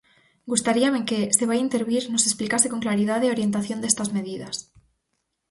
Gustaríame que, se vai intervir, nos explicase con claridade a orientación destas medidas.